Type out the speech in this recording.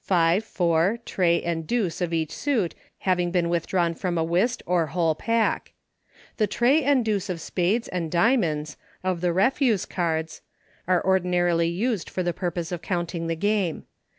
five, four, tray, and deuce of each suit having been withdrawn from a "Whist or whole pack. The tray and deuce of spades and diamonds, of the refuse cards, are ordi narily used for the purpose of counting the game.